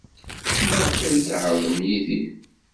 Maɣef ay d-tɛerḍem Yidir?